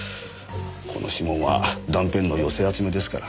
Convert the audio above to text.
この指紋は断片の寄せ集めですからねぇ。